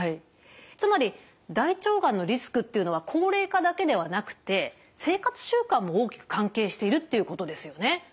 つまり大腸がんのリスクというのは高齢化だけではなくて生活習慣も大きく関係しているということですよね？